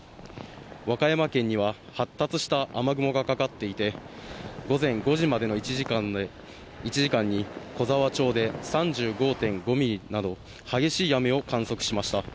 和歌山県には、発達した雨雲がかかっていて午前５時までの１時間に古座川町で３５．５ミリなど激しい雨を観測しました。